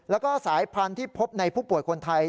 แล้วก็สายพันธุ์ที่พบในผู้ป่วยคนไทย